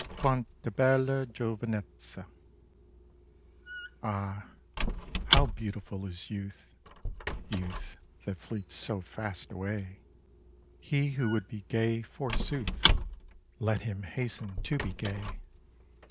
Quant* h bella giovinezza." AH, how beautiful is youth, Youth that fleets so fast away 1 He who would be gay, forsooth. Let him hasten to be gay